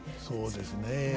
そうですね。